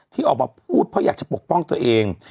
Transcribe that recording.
ที่ออกมาพูดเพราะอยากจะปกป้องตัวเอง